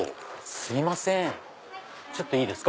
すいませんいいですか？